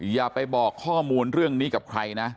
อย่าไปบอกข้อมูลเรื่องนี้กับใครนะ